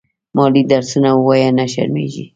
مالې درسونه ووايه نه شرمېږې.